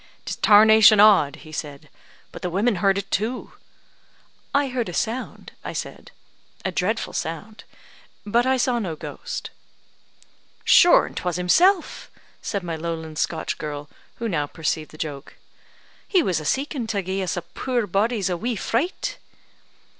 "'Tis tarnation odd," he said; "but the women heard it too." "I heard a sound," I said, "a dreadful sound, but I saw no ghost." "Sure an' 'twas himsel'," said my lowland Scotch girl, who now perceived the joke; "he was a seeken' to gie us puir bodies a wee fricht."